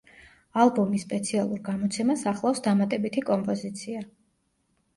ალბომის სპეციალურ გამოცემას ახლავს დამატებითი კომპოზიცია.